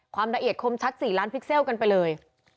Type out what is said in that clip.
ความละเอียดคมชัด๔ล้านพิกเซลกันไปเลย